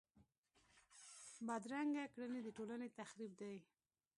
بدرنګه کړنې د ټولنې تخریب دي